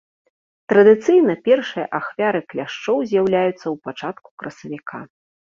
Традыцыйна першыя ахвяры кляшчоў з'яўляюцца ў пачатку красавіка.